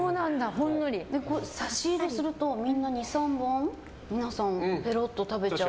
差し入れするとみんな２３本ペロッと食べちゃう。